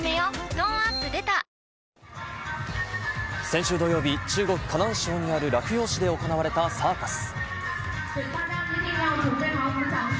トーンアップ出た先週土曜日、中国・河南省にある洛陽市で行われたサーカス。